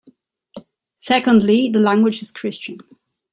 Secondly, the language is Christian.